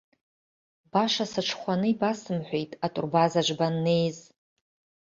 Баша сыҽхәаны ибасымҳәеит атурбазаҿ баннеиз.